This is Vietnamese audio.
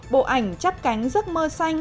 bộ ảnh chắt cánh giấc mơ xanh